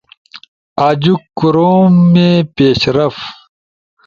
آجوک کوروم پیشرفت